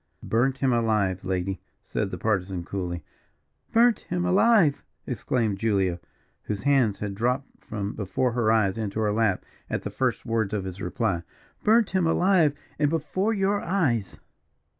"Burnt him alive, lady," said the Partisan, coolly. "Burnt him alive!" exclaimed Julia, whose hands had dropped from before her eyes into her lap at the first words of his reply. "Burnt him alive, and before your eyes!"